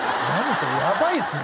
それやばいっすね